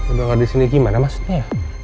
udah gak disini gimana maksudnya ya